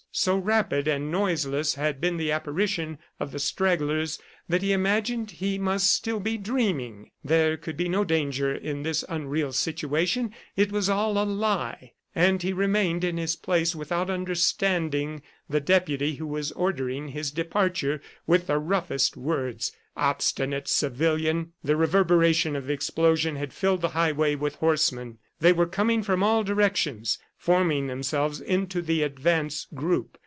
So rapid and noiseless had been the apparition of the stragglers that he imagined he must still be dreaming. There could be no danger in this unreal situation; it was all a lie. And he remained in his place without understanding the deputy who was ordering his departure with roughest words. Obstinate civilian! ... The reverberation of the explosion had filled the highway with horsemen. They were coming from all directions, forming themselves into the advance group.